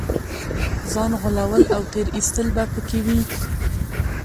ځان غولول او تېر ایستل به په کې وي.